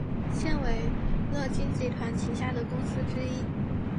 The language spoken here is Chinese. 现为乐金集团旗下的公司之一。